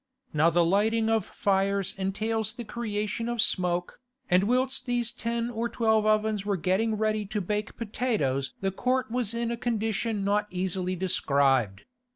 Now the lighting of fires entails the creation of smoke, and whilst these ten or twelve ovens were getting ready to bake potatoes the Court was in a condition not easily described.